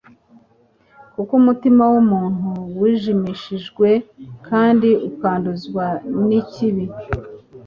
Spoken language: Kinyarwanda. Kuko umutima w'umuntu wijimishijwe kandi ukanduzwa n'ikibi,